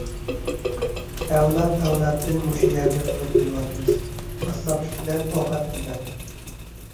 ئەۋلاد - ئەۋلادتىن مۇشۇ يەردە تۇرۇپ كېلىۋاتىمىز، قاسساپلىق بىلەن ئوقەت قىلىمەن.